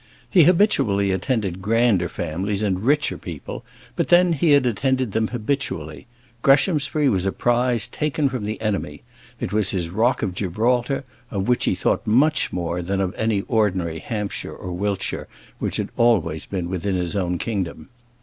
He habitually attended grander families, and richer people; but then, he had attended them habitually. Greshamsbury was a prize taken from the enemy; it was his rock of Gibraltar, of which he thought much more than of any ordinary Hampshire or Wiltshire which had always been within his own kingdom.